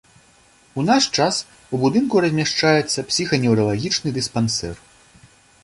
У наш час у будынку размяшчаецца псіханеўралагічны дыспансер.